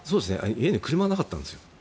家に車がなかったんですよ。